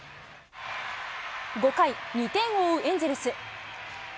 ５回、２点を追うエンゼルス。